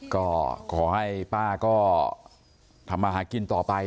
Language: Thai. ก็ขอให้ป้าก็ทำมาหากินต่อไป